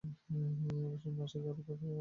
অবসন্ন আশাকে আর পড়িয়া থাকিতে দিল না।